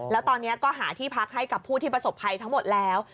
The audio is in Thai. แล้วตอนนี้ก็หาที่พักให้กับผู้ที่ประสบภัยทั้งหมดแล้ว